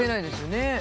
ねえ。